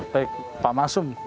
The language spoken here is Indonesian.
baik pak maksum